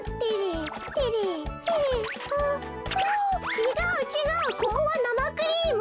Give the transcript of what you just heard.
ちがうちがうここはなまクリーム！